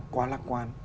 quá lạc quan